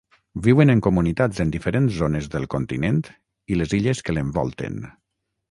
Viuen en comunitats en diferents zones del continent i les illes que l'envolten.